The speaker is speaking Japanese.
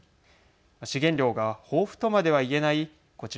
資源量が豊富とまでは言えないこちら